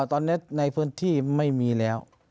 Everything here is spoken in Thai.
ตอนนี้ในพื้นที่ไม่มีแล้ว